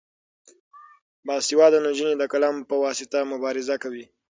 باسواده نجونې د قلم په واسطه مبارزه کوي.